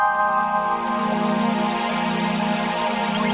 jatuh sampai ketemu kita